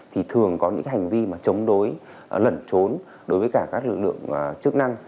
thì thường có những hành vi mà chống đối lẩn trốn đối với cả các lực lượng chức năng